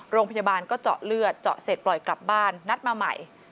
โรงพยาบาลก็เจาะเลือดเจาะเสร็จปล่อยกลับบ้านนัดมาใหม่